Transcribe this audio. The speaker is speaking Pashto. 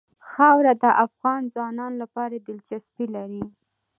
خاوره د افغان ځوانانو لپاره دلچسپي لري.